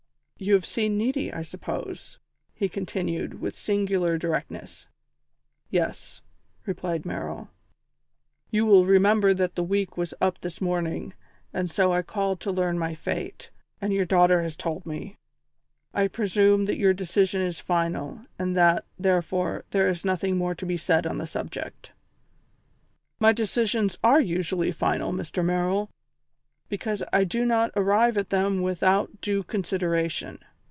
"You have seen Niti, I suppose?" he continued, with singular directness. "Yes," replied Merrill. "You will remember that the week was up this morning, and so I called to learn my fate, and your daughter has told me. I presume that your decision is final, and that, therefore, there is nothing more to be said on the subject." "My decisions are usually final, Mr Merrill, because I do not arrive at them without due consideration.